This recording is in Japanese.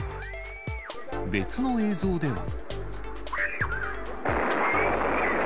別の映像では。